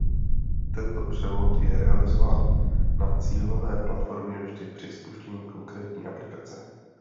Tento převod je realizován na cílové platformě vždy při spuštění konkrétní aplikace.